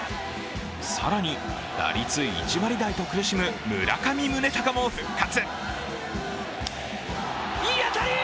更に打率１割台と苦しむ村上宗隆も復活。